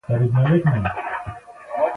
صبغت الله خان لکنهو ته ورسېدی.